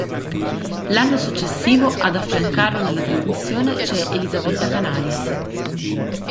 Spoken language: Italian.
L'anno successivo ad affiancarlo nella trasmissione c'è Elisabetta Canalis.